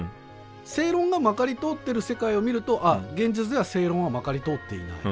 正論がまかり通ってる世界を見ると現実では正論はまかり通っていない。